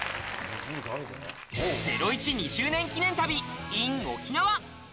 『ゼロイチ』２周年記念旅ＩＮ沖縄。